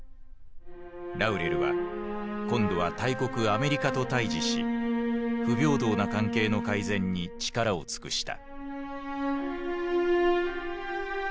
ラウレルは今度は大国アメリカと対峙し不平等な関係の改善に力を尽くした。